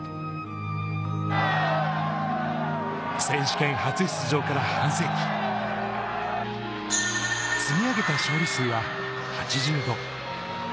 選手権初出場から半世紀、積み上げた勝利数は８５。